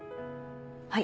はい。